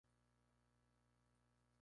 Windows está soportado de serie.